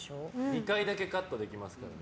２回だけカットできますからね。